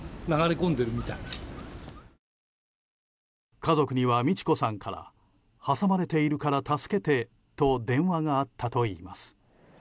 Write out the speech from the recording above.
家族には、路子さんから挟まれているから助けてと電話があったといいます。